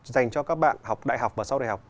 dành cho các bạn học đại học và sau đại học